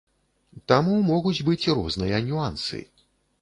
Таму могуць быць розныя нюансы.